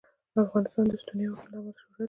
افغانستان د ستوني غرونه له امله شهرت لري.